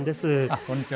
こんにちは。